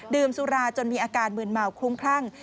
สุราจนมีอาการมืนเมาคลุ้มคลั่ง